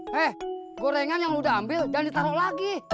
hei gorengan yang lu udah ambil jangan ditaro lagi